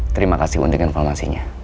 terima kasih untuk informasinya